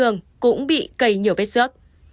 nó bị cây nhiều vết xước